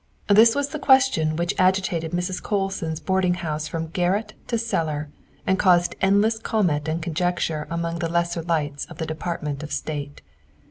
This was the question which agitated Mrs. Colson 's boarding house from garret to cellar and caused endless comment and conjecture among the lesser lights of the Department of State.